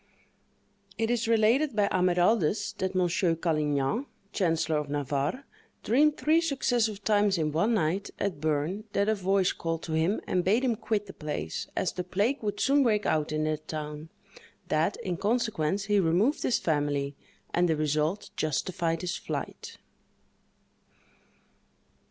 It is related by Amyraldus, that Monsieur Calignan, chancellor of Navarre, dreamed three successive times in one night, at Berne, that a voice called to him and bade him quit the place, as the plague would soon break out in that town; that, in consequence, he removed his family, and the result justified his flight.